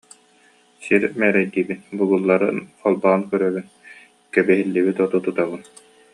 Сир мээрэйдиибин, бугулларын холоон көрөбүн, кэбиһиллибит оту тутабын